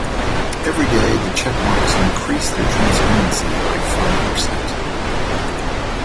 Every day the checkmarks increase their transparency by five percent.